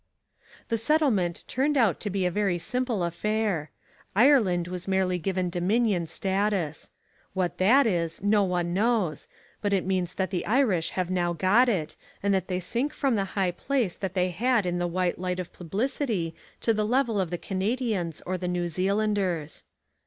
The settlement turned out to be a very simple affair. Ireland was merely given dominion status. What that is, no one knows, but it means that the Irish have now got it and that they sink from the high place that they had in the white light of publicity to the level of the Canadians or the New Zealanders.